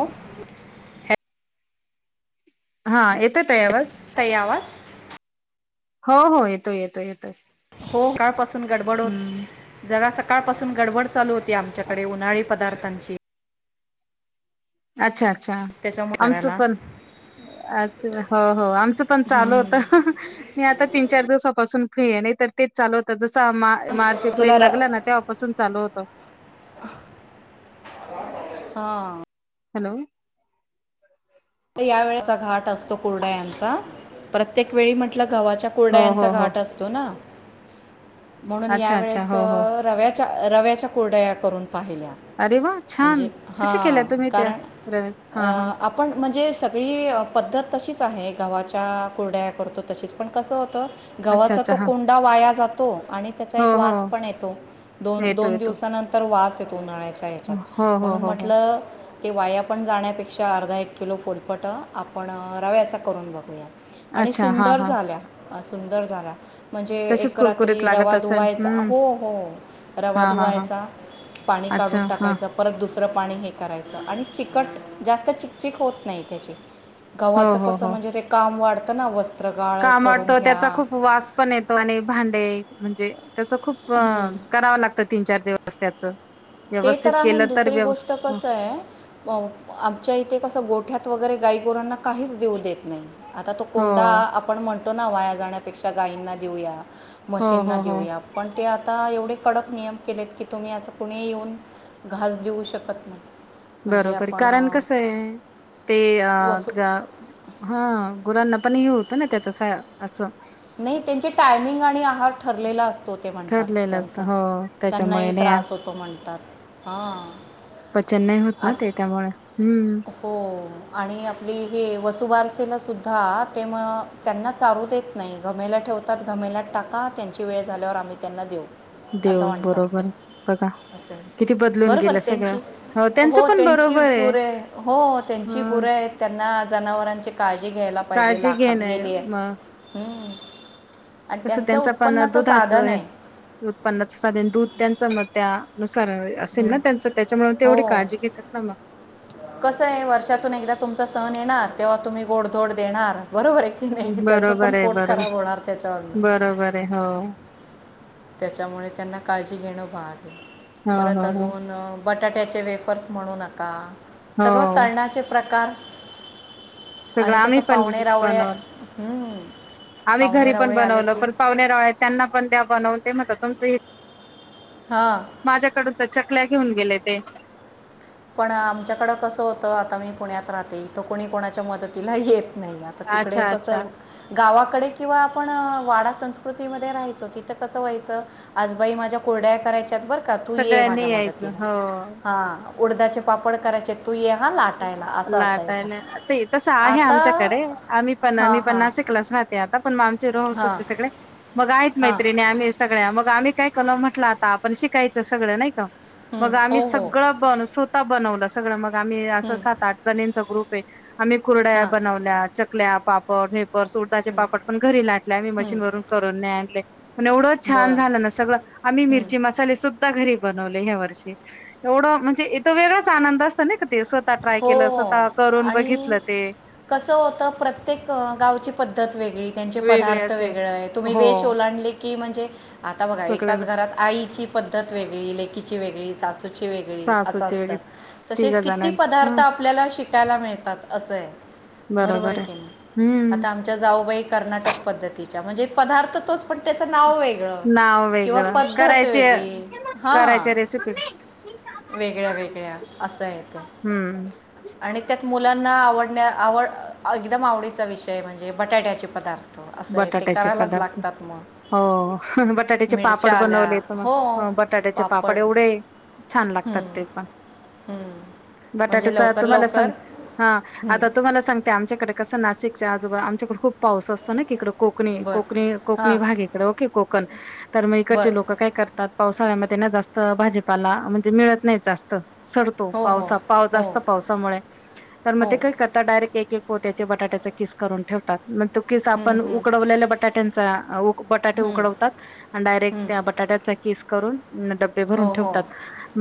Hello हा येत काही आवाज हो हो येतो येतो येतोय हो सकाळपासन गडबड हम्म जरास कालपासून गडबड चालू होती. ते आमच्याकडे उन्हाळी पदार्थांची अच्छा छान त्याच्यामुळे आमच करायला पण अच्छा हो हो आमच पण चालू हम्म. होत मी आता तीन चार दिवसापासून फ्री आहे नाही तर तेच चालू होत, त्याचच या मार्च मार्च तुला एप्रिल र- लागला ना तेव्हापासून चालू होत हा हॅलो या वेळेचा घाट असतो कुर्डायांचा प्रत्येक वेळी म्हटंल, गावाच्या हो हो कुर्डीयांचा हो घाट असतो ना, [unintelligible] म्हणून अच्छा अच्छा यावेेळेस हो हो रव्यात चा रव्याच्या कुरड्या करून पाहिल्या अरे वा छान म्हणजे कश्या केल्या हां तुम्ही त्या कारण कुराया हा हा सगळीअ पद्धत तशीच आहे गावाच्या कुरडाया करतो तशीच पण कस होत अच्छा गव्हाचा अच्छा तो हा कोंडा वाया जातो तो आणि त्याचा हो एक हो वास पण येतो दोन येतो दोन येतो दिवसानंतर वास ते दोनाय हो [inaudible] हो म्हणून हो हो म्हटल ते वाया पण जाण्यापेक्षा अर्धा एक किलो पूरपट आपण रव्याचा करून बघूयात आणि अच्छा हा सुंदर हा झाल्या अ सुंदर झाला म्हणजे तसेच एक कुरकुरीत रात्री लागत रवा असेल धुवायचा हम्म हो हो रवा हा हा हा धुवायचा पाणी काढून अच्छा हा टाकायचं परत दुसरं पाणी हे करायचं आणि चिकट जास्त चिकट चीक होत नाही त्याची हो गावाच हो कस हो म्हणजे ते काम वाढत त्यांना वस कामडतो त्याचा खूप वास पण येतो आणि भांडे म्हणजे त्याच खूप कराव लागत तीन चार दिवस [inaudible] त्याच ते व्यवस्थित तर आहे केलं तर दुसरी व्यव गोष्ट हो कस ये आमच्या इथे कस गोठ्यात वगैरे गाईगोरांना काहीच देऊ देत नाही आता तो हो कोंडा आपण म्हण फोटो ना वाया जाण्यापेक्षा गाईंना देऊया हो मशीनला हो हो देऊया पण ते आता एवढे कडक नियम केलेत की तुम्ही असं येऊन घास देऊ शकत नाही म्हणजे बरोबर आपण कारण अ, कस आहे ते अ वसू हा गुरांना आपण हे होतो ना त्याच असं नाही त्यांचे टायमिंग आणि आहार ठरलेला असतो ते म्हणतात ठरलेलं असत त्यांचा हो त्याच्यामुळे त्यांनाही नाही त्रास होतो म्हणतात हां पचन नाही होत ना आत ते त्यामुळे हम्म हो आणि आपली हे वसुबारसेीलासुद्धा ते मग त्यांना चाारू देत नाही घमेला ठेवतात घमेलात टाका त्यांची वेळ झाल्यावर आम्ही त्यांना देऊ असं देव म्हणतात ते बरोबर बघा असं आहे किती बदलून बरोबर गेलं सगळं त्यांची हो त्यांच पण त्यांची बरोबर आहे गुरे हो त्यांची गुर अ आहेत त्यांना. जनावरांचे. काळजी घ्यायला पाहिजे काळजी लाखात घेण गेलीय हम्म. तसं त्यांच पण दुधाच साधन आहे उत्पन्नाच साधन दूध. स असेल ना हं. त्यांच त्याच्यामुळे तेवढी हो काळजी घेतात ना मग. कसं आहे वर्षातून एकदा तुमचा सण येणार तेव्हा तुम्ही गोडधोड देणार. बरोबर आहे की नाही त्यांचं पण बरोबर आहे पोट खराब बरोबर होणार त्याच्यावर. बरोबर आहे हो त्याच्यामुळे त्यांना काळजी घेणं बात. हो परत हो हो अजून बटाट्याचे वेफर्स. म्हणू नका. सगळं हो तळणाचे प्रकार. सगळं आणि आम्ही कसं पण पाहुणे रावळे बनवलं हं, आम्ही पाहुणे घरी पण रावळे आले बनवलं की पण पावणेराळ त्यांना पण त्या बनवून. ते मता तुमचं हे. हां माझ्याकडून. चकल्या घेऊन गेले ते. पण आमच्याकड कसं होतं आता मी पुण्यात राहते इथो कोणी कोणाच्या मदतीला येत. नाही आता तिकडे अच्छा अच्छा कसं गावात कडे किंवा आपण वाडा संस्कृतीमध्ये राहायचो, तिथं कसं व्हायचं आजबाई माझ्या कोरड्या करायच्यात बरं. का तू ये माझ्या सगळ्यांनी यायचं मदतीला, हो हा. उडदााचे पापड करायचे. लाटायला असं असायचं लाटायला ते तसं आहे आता आमच्याकडे, आम्ही पण मी हां पण हां नाशिकलाच राहते आता. पण मग आमचे हां रहसचे सगळे मग आहेत हां मैत्रिणी आम्ही सगळ्या मग आम्ही. काय कलं म्हटलं आता आपण शिकायचं सगळं नाही का. हं, मग आम्ही हो हो सगळं बन स्वतः बनवलं. सगळं मग आम्ही. हं, सात आठ जणीचा ग्रुप. पे. आम्ही कुरडाया हां बनवल्या चकली. ल्या पापड हे. बस उडदाचे हं, पापड पण घरी लाटले मी हं, मशीनवरून करून नाही आणले. म्हण एवढंच छान बरं झालं ना सगळं आम्ही हं. मिरची मसाले सुद्धा घरी. बनवले ह्या वर्षी एवढं म्हणजे वेगळांच आनंद असतो ना का ते. स्वतः ट्राय हो केलं स्वतः करून आणि बघितलं ते कस होतं प्रत्येक गावची पद्धत. वेगळी त्याचे वेगळे पदार्थ असे वेगळे तुम्ही हो वेष ओलांडले की म्हणजे आता बगा सगळे एकाच घरात आईची पद्धत वेगळी लेकीची वेगळी ची वेगळी, सासूची वेगळी च सुची वेगळी असं सासूचे वगैरे असतात तसे तिघ क जणांचे हा पदार्थ आपल्याला शिक शिकायला मिळतात असंय बरोबर की नाही हम्म आता आमच्या जाऊबाई कर्नाटक पद्धतीत हम्म पदार्थ तोच पण त्या नाव वेगळ नाव किंवा वेगळं पद्धत करायचे वेगळी हा करायच्या रेसिपी वेगळ्या वेगळ्या असं येत हम्म आणि त्यात मुलां आवडण्या आवड एकदम आवडीचा विषय म्हणजे बटाट्याचे पदार्थ असं आहे ते बटाट्याचे करायलाच पदार्थ लागतात मग हो बटाट्याचे मिरच्या पापड आल्या बनवले तर हो मग बटाट्याचे पापड एवढे खूप छान लागतात हं, ते पण हं. म्हणजे बटाट्याचा लवकर तुम्हाला सांग लवकर हा हं, आता तुम्हाला सांगते आमच्याकडे कसं नात च्याजबा आमच्याकडे खूप पाऊस असतो तीकड कोकणी बर कोक कोकणी हां भाग इकडे ओके को पण तर मग बर इकडचे लोक काय करतात पावसा सळ्यामध्ये ना जास्त भाजीपाला म्हणजे मिळत नाही जास्त सरतो हो हो पावसात हो जास्त पावसामुळे तर मग हो ते काही करता डायरेक्ट एक एक होत त्या बटाट्याचे किस करून ठेवतात किस हं, आपण हं, उकडवलेल्या बटाट्यांचा बटाटे हं, उकडवतात आणि डायरेक्ट हं. त्या बटाट्यांचा किस करून डबे भरून हो हो ठेवतात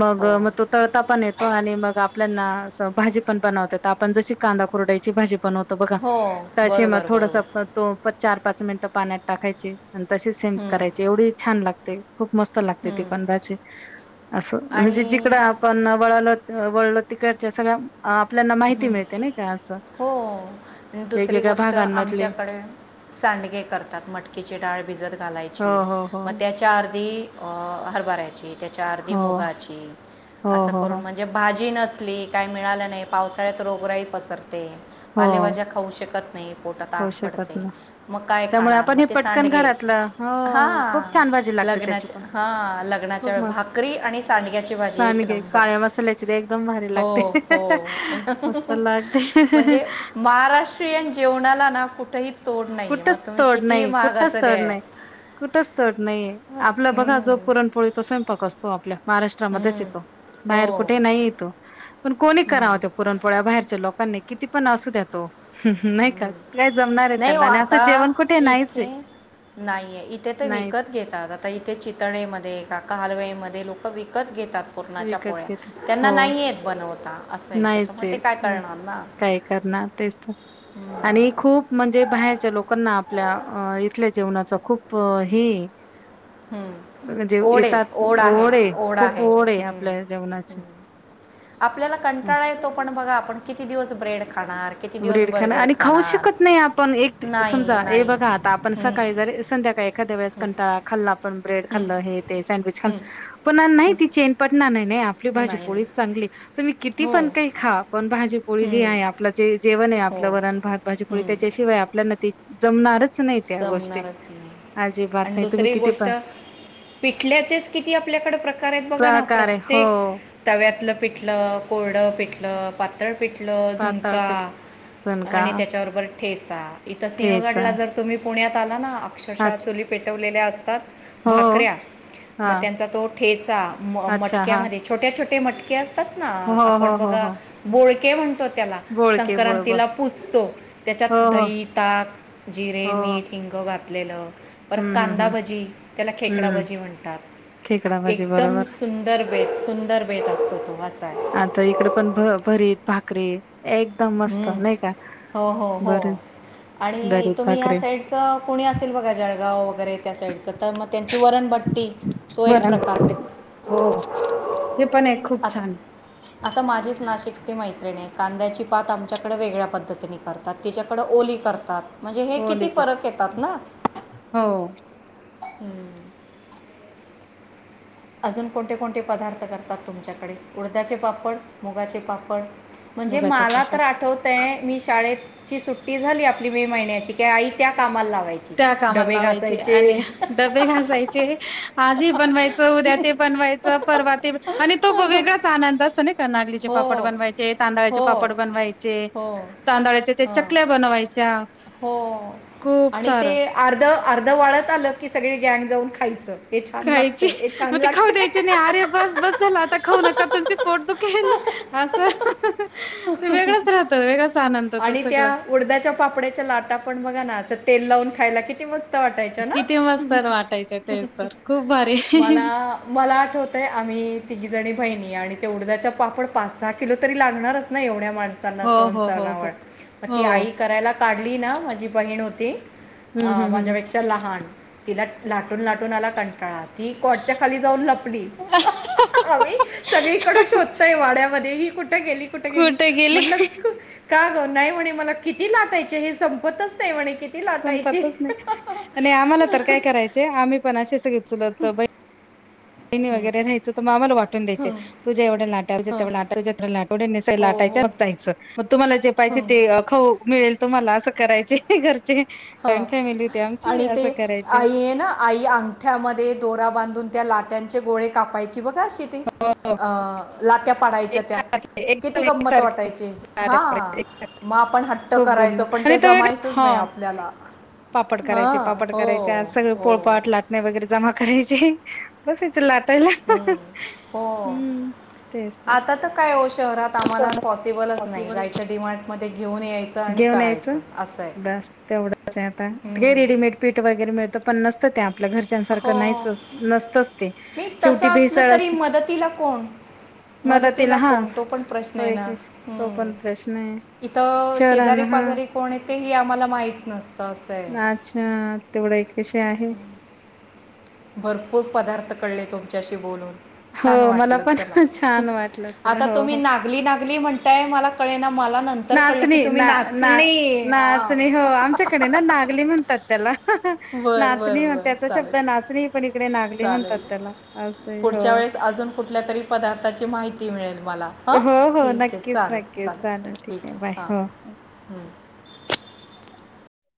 मग हो मग तो तळता पण येतो आणि मग आपल्याना अस भाजी पण बनवत आपण जशी कांदा कुरड्याची भाजी पण होत बघा हो त मग बरोबर थोडस बरोबर पन चार पाच मिनिटं पाण्यात टाकायचे आणि तशी सेम हं, करायची एवढी छान लागते खूप मस्त लागते ती हं. पण भाजी असं आणि म्हणजे जिकडं आपण वळलं वळलं तिकडच्या सगळ्या अ आपल्याना माहिती हं. मिळते ना का असं हो आणि दुसरी वेगवेगळ्या गोष्ट भागांमधले आमच्याकडे सांडगे करतात मटकीची डाळ भिजत हो घालायची हो हो मग त्याच्या आधी ह अ हरभऱ्याची त्याच्या अर्धी हो मुगाची हो असं हो करून हो म्हणजे भाजी न हे काय मिळालं नाही पावसाळ्यात रोगराई पसरते ते हो पालेभाज्या खाऊ शकत नाही. पोटात आग खाऊ शकत पडते ना मग काय त्यामुळे खाणार आपण मग हे ते पटकन सांडगे. घरातलं हा हो खूप छान भाजी लागते त्याची लग्नाच्या पण हा लग्नाच्या खूप वेळी मस्त. भाकरी आणि सांडग्याची भाजी एक सांडगे नंबर. काळ्या मसाल्याची ते एकदम भारी हो लागते हो मस्त लागते. [inaudible] म्हणजे. महाराष्ट्रीयन जेवणाला ना कु तेही कुठच तोड नाही कुठच तोड द्या नाही कुठच तोड नाहीये. आपला बघा जो हम्म, पुरणपोळीचा स्वयंपाक असतो आपल्या महाराष्ट्रामध्येच हम्म, येतो हो बाहेर कुठेही नाही येतो पण कोणी कराव हम्म, ते पुरणपोळ्या बाहेरच्या लोकांनी किती पण असू दयात ओ. नाही का? हम्म. नाय जमणार आहे नाही हो त्यांना आणि असं आता जेवण कुठे नाहीच इथे आहे नाहीये इथे तर नाही विकत घेतात आता इथे चितळेमध्ये एका. कारवईमध्ये लोक विकत घेतात. पूर्णाच्या विकत पोळ्या घेते त्यांना हो नाहीयेत बनवता असंय त्याच्या नाहीच म ते काय आहे. करणार ना. काय करणार तेच तर हम्म, आणि खूप म्हणजे बाहेरच्या लोकांना आपल्या इथले जेवणाचं खूप हे म्हणजे हम्म ओढ आहे येतात ओढ आहे ओढ आहे हम्म जेवनाचे. हम्म. आपल्याला कंटाळा येतो पण बघा आपण किती किती दिवस ब्रेड खाणार ब्रेड खाणं बर्गर आणि खाऊ खाणार शकत नाही आपण एक नाही समजा हे नाही बघा आता आपण हं, सकाळी जर संध्याकाळी एखाद्या वेळेस हं, कंटाळा खाल्ला ब्रेड हं, खाल्ल हे ते सँडविच हं, खाल्लं पण नाही ती हं, चैन पडणार नाही नाही आपली भाजी नाही नाही पोळीच चांगली तुम्ही किती हो पण काही खा पण भाजी पोळी जे हं, आहे आपल जे जेवण. हो आपल्या वरण भात भाजीपोळी हं, त्याच्याशिवाय आपल्याना ते जमणारच. नाही त्या गोष्टी जमणारच नाही अजिबात आणि नाही तुम्ही दुसरी किती गोष्ट पण पिठल्याचेच किती आपल्याकडे प्रकार आहेत बघा ना प्रकार आहे प्रत्येक हो तव्यातलं पिठलं कोरडं. पिटलं पातळ, पिटलं झुणका पातळपेठ झुणका आणि त्याच्याबरोबर ठेचा. इथं ठेचा सिंहगडला जर पुण्यात आला ना अक्षरशः अच्छा चुली पेटवलेल्या असतात. हो भाकऱ्या, हा मग त्यांचा तो ठेचा अच्छा हा मटक्यामध्ये छोट्या छोट्या ते मटके अस तात हो आप हो हो बगा हो बोळ ते म्हणतो बोळके बोळबळ संक्रांतीला पूजतो त्याच्या हो हो दही ताक जिरे हो मीठ हिंग घातलेलं परत हम्म हम्म हम्म कांदाभजी, त्याला हम्म खेकडाभजी खेकडा म्हणतात भाजी एकदम बरोबर सुंदर वेज सुंदर बेत असतो तो वा आता इकडे पण भ भरीत भाकरीे ह् हो हो हो बर आणि भरीत तुम्ही या भाकरी साईडच कोणी असेल, बघा जळगाव वगैरे त्या साईडच तर मग त्यांची वरणभट्टी तो एक वरण प्रकार हो ते पण एक खूप आता छान आता माझीच नाशिक ची मैत्रिणी कांद्याची पात आमच्याकडे वेगळ्या पद्धतीने करतात त्याच्याकडं ओली करतात. म्हणजे हे हो किती लिखत फरक येतात, ना हो हम्. अजून कोणते कोणते पदार्थ करतात तुमच्याकडे? उडदा्याचे पापड मुगाचे पापड म्हणजे मुगाचे मला पापड तर आठवतय मी शाळेतची सुट्टी झाली आपली मे महिन्याची कि आई त्या कामाला लाव त्या कामा लावायचे आणि डबे घासायचे आज ही बनवायच उद्या ते बनवायचं परवा आणि तो वेगळाच आनंद असतो का नागलीचे हो पापड बनवायचे तांदळाचे हो पापड बनवायचे हो तांदळाच्या हं, चकल्या बनवायच्या हो ख आणि ते अर्ध अर्ध वळत आलं की सगळी गँग जाऊन खायचं. हे छान खायची लागतंय हे मग छान ते खाऊ लागतंय द्यायची नाही, आरे बस बस झाला आता खाऊ नका तुमचे पोट दुखल असं ते वेगळंच राहतात वेगळंच आणि त्या उडदाच्या पापड्याच्या लाटा पण बघा नाचत तेल लावून खायला किती मस्त [unintelligible] वाटायच्या ना? किती मस्त वाटायचे तेच तर खूप भारी मला मला आठवतंय आम्ही तिघीजणी बहिणी आणि ते उडदाचे पापड पाच-सहा किलो तरी लागणारच ना एवढ्या माण सांना हो सण हो हो हो [unintelligible] मग हो ती आई करायला काढली ना माझी बहीण हो ती. अ हम्म हम्म माझ्यापेक्षा लहान तिलाच लाट. लाटून-लाटून आला कंटाळा, ती खोटच्या खाली जाऊन लपली. आम्ही हम्म सगळीकडे शोधतोय वाड्यामध्ये ही कुठ. कुठ गेली, कुठं गेली, म्हंलनल. का ग नाही म्हणे, मला किती लाटायचे हे संपतच नाही, म्हणे. किती लाटायचे संपतच नाही, आणि आम्हाला तर काय कराय यायच आम्ही पण असच सगळे चुलत बहिणी. बहिणी वगैर राहायचं तर मग आम्हाला वाटतं. वाटून द्यायचे हं, तुझे एवढ लाट हं, हो लाटायच हो जायच मग तुम्हाला जे. पाहिजे हं, ते खऊ मिळेल तो मला. असं करायचे घरचे. हा जॉईंट फॅमिली होती आमची आणि ते असं करायचे आई आहे ना, आई अंगठ्यामध्ये दोरा. बांधून त्या लाट्यांचे गोळे कापायचे. बघा असती ती हो लाट्या पाडायच्या त्या, एकसारखे किती एकदम गंमत एकसारखे वाटायची लाटा हा, पडायच्या, एकसारखे. मग आपण हट्ट खूप करायचो, गंमत पण आणि ते तो वेगळा जमायचच हा नाही आपल्याला. पापड करायचे, हां पापड हो करायचे, सगळ हो पोळपाट लाटणे वगैरे जमा करायचे. बसायचं लाटत. तला हं, हो आता तर काय हो शहरात आम्हाला तर पॉसिबलच नाही जायचं डिमांड मध्ये घेऊन यायचं बस तेवढंच आहे आता काय हं. रेडीमेड पीठ वगैरे मिळतं पन्नास त्या आपल्या हो घरच्यांसारखं नाहीच नसतच ते नाही तसं शेवटी असलं भेसळ तरी असते मदतीला कोण मदतीला कोण हात तो पण प्रश्न तो आहे ना एक तो हम्म. पण प्रश्न आहे इथं शेजारी शहरांना हा पाजारी कोण ती आम्हाला माहित नसते अच्छा तेवढा एक विषय आहे भरपूर पदार्थ कळले तुमच्याशी बोलून छान हो मला वाटलं पण चला छान वाटलं चला आता हो हो तुम्ही नागली नागली म्हणताय मला कळे ना नाचणी ना ना हां नाचणी हो आमच्याकडे ना नागली म्हण म्हणतात त्याला बर बर नाचणी बर त्याचा चालेल शब्द नाचणी पण इकडे नागली म्हणतात चालेल त्याला असं आहे, पुढच्या हो वेळेस अजून कुठल्या तरी पदार्थाची माहिती मिळेल मला हां हो हो ठीक आहे नक्कीच चालेल नक्कीच चालेल ठीक आहे बाय हां हो हो हम्म.